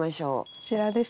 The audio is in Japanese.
こちらです。